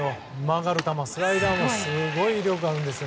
曲がる球、スライダーもすごい威力あるんです。